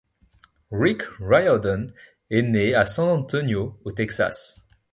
Rick Riordan est né à San Antonio, au Texas.